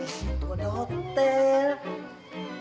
itu ada hotel